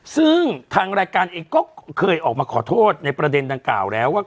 ซึ่งทางรายการเองก็เคยออกมาขอโทษในประเด็นดังกล่าวแล้วว่า